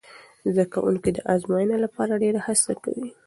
زده کوونکي د ازموینې لپاره ډېره هڅه کوي.